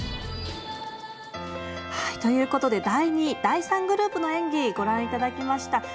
ということで第２、第３グループの演技ご覧いただきました。